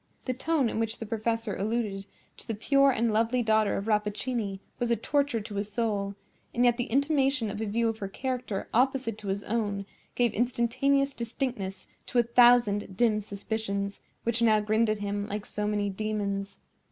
The tone in which the professor alluded to the pure and lovely daughter of Rappaccini was a torture to his soul; and yet the intimation of a view of her character opposite to his own, gave instantaneous distinctness to a thousand dim suspicions, which now grinned at him like so many demons.